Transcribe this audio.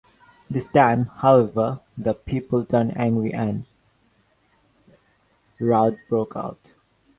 This time, however, the people turned angry and riot broke out.